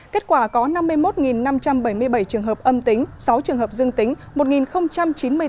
kết quả có năm mươi một năm trăm bảy mươi bảy trường hợp âm tính sáu trường hợp dương tính